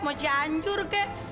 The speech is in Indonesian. mau cianjur kek